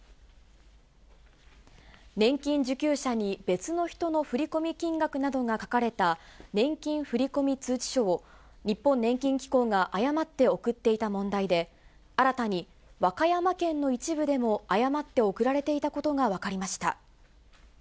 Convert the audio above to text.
年金受給者に、別の人の振込金額などが書かれた年金振込通知書を、日本年金機構が誤って送っていた問題で、新たに和歌山県の一部でも誤って送られていたことが分かりました。